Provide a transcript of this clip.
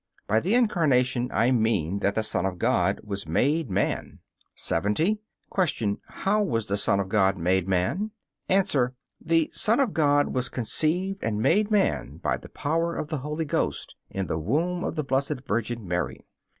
By the Incarnation I mean that the Son of God was made man. 70. Q. How was the Son of God made man? A. The Son of God was conceived and made man by the power of the Holy Ghost, in the womb of the Blessed Virgin Mary.